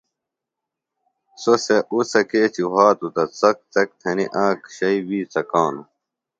سوۡ سےۡ اُڅہ کیچیۡ وھاتوۡ تہ څک څک تھنی آک شئیۡ وِی څکانوۡ